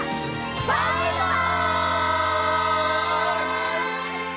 バイバイ！